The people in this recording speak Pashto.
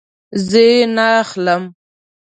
زه یی نه اخلم